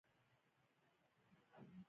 هلته به زما کوچ ښه نه ښکاري